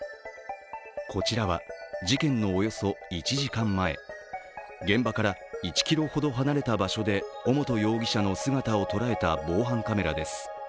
こちらは事件のおよそ１時間前、現場から１ｋｍほど離れた場所で尾本容疑者の姿をとらえた防犯カメラです。